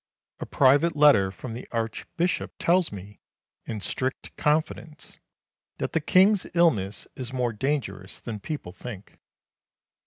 A private letter from the archbishop tells me, in strict confidence, that the King's illness is more dangerous than people think.